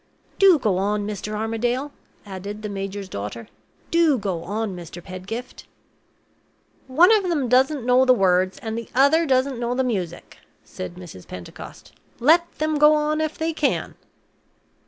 "Do go on, Mr. Armadale!" added the major's daughter. "Do go on, Mr. Pedgift!" "One of them doesn't know the words, and the other doesn't know the music," said Mrs. Pentecost. "Let them go on if they can!"